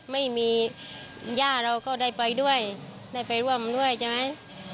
ไม่มีย่าเราก็ได้ไปด้วยได้ไปร่วมด้วยใช่ไหม